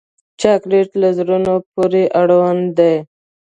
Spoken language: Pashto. چاکلېټ له زړونو پورې اړوند دی.